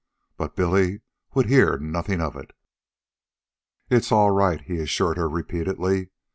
But Billy would hear nothing of it. "It's all right," he assured her repeatedly.